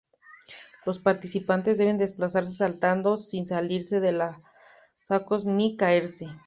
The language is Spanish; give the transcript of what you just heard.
Los participantes deben desplazarse saltando sin salirse de los sacos ni caerse.